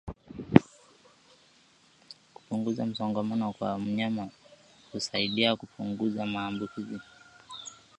Kupunguza msongamano kwa wanyama husaidia kupunguza maambukizi